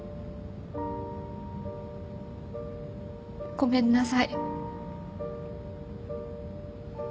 ごめんなさい。